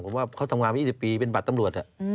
ผมว่าเขาทำงานมา๒๐ปีเป็นบัตรตำรวจ